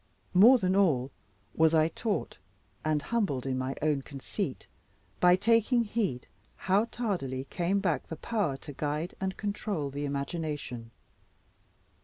More than all was I taught, and humbled in my own conceit, by taking heed how tardily came back the power to guide and control the imagination.